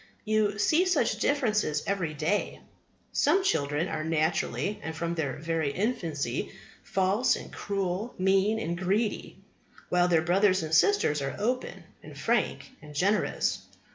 You see such differences every day. Some children are naturally, and from their very infancy, false and cruel, mean and greedy; while their brothers and sisters are open and frank and generous.